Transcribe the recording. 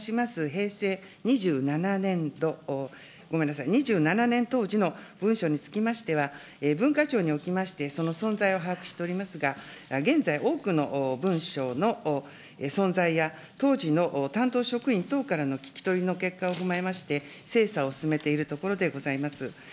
平成２７年度、ごめんなさい、２７年当時の文書につきましては、文化庁におきまして、その存在を把握しておりますが、現在、多くの文書の存在や、当時の担当職員等からの聞き取りの結果を踏まえまして、精査を進めているところでございます。